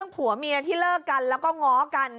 ผัวเมียที่เลิกกันแล้วก็ง้อกัน